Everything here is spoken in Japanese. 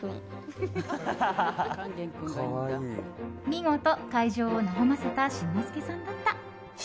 見事、会場を和ませた新之助さんだった。